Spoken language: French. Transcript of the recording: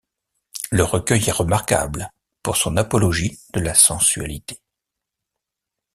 Le recueil est remarquable pour son apologie de la sensualité.